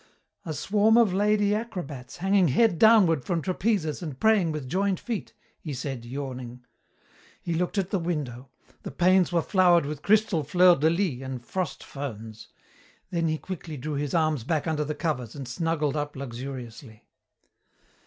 "A swarm of lady acrobats hanging head downward from trapezes and praying with joined feet!" he said, yawning. He looked at the window. The panes were flowered with crystal fleurs de lys and frost ferns. Then he quickly drew his arms back under the covers and snuggled up luxuriously.